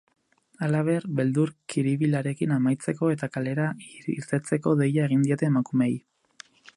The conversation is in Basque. Halaber, beldur-kiribilarekin amaitzeko eta kalera irtetzeko deia egin diete emakumeei.